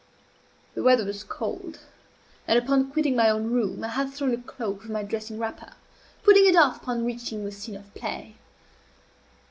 (The weather was cold; and, upon quitting my own room, I had thrown a cloak over my dressing wrapper, putting it off upon reaching the scene of play.)